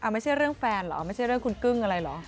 ไม่ใช่เรื่องแฟนเหรอไม่ใช่เรื่องคุณกึ้งอะไรเหรอ